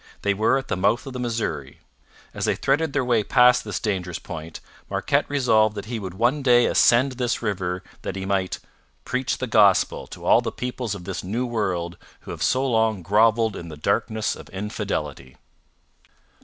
They were at the mouth of the Missouri. As they threaded their way past this dangerous point, Marquette resolved that he would one day ascend this river that he might 'preach the Gospel to all the peoples of this New World who have so long grovelled in the darkness of infidelity.'